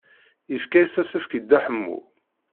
Yefka-as asefk i Dda Ḥemmu.